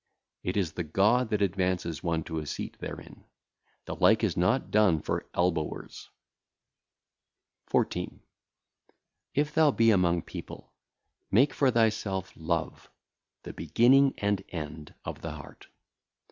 It is the God that advanceth one to a seat therein; the like is not done for elbowers. 14. If thou be among people, make for thyself love, the beginning and end of the heart.